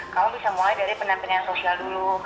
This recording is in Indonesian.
kamu bisa mulai dari pendampingan sosial dulu